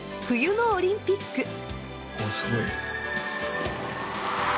冬のオリンピック。